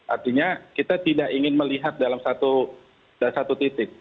artinya kita tidak ingin melihat dalam satu titik